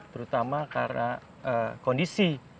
terutama karena kondisi